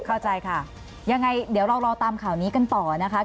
เข้าใจค่ะยังไงเดี๋ยวเรารอตามข่าวนี้กันต่อนะคะ